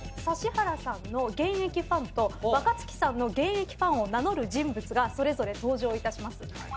指原さんの現役ファンと若槻さんの現役ファンを名乗る人物がそれぞれ登場いたします。